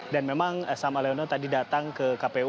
dan memang sama aliano tadi datang ke kpu